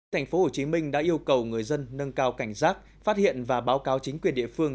tp hcm đã yêu cầu người dân nâng cao cảnh giác phát hiện và báo cáo chính quyền địa phương